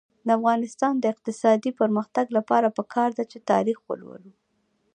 د افغانستان د اقتصادي پرمختګ لپاره پکار ده چې تاریخ ولولو.